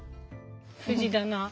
藤棚。